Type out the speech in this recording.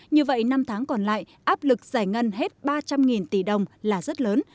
như vậy năm tháng còn lại áp lực giải ngân hết ba trăm linh tỷ đồng là rất lớn